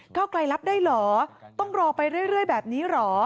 เก้าไกลรับได้เหรอต้องรอไปเรื่อยแบบนี้เหรอ